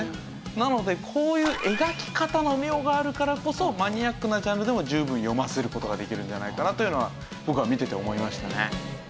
なのでこういう描き方の妙があるからこそマニアックなジャンルでも十分読ませる事ができるんじゃないかなというのは僕は見てて思いましたね。